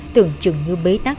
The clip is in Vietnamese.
tưởng chừng như bế tắc